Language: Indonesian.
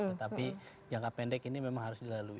tetapi jangka pendek ini memang harus dilalui